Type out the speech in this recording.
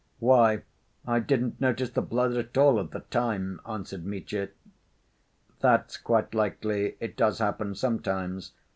"Why, I didn't notice the blood at all at the time," answered Mitya. "That's quite likely. It does happen sometimes."